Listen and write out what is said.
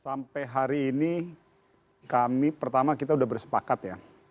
sampai hari ini kami pertama kita sudah bersepakat ya